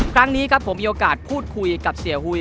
ครั้งนี้ครับผมมีโอกาสพูดคุยกับเสียหุย